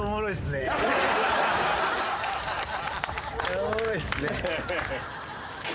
おもろいっすね。